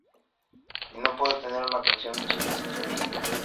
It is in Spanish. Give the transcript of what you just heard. Y no puedo tener una canción sin estribillo".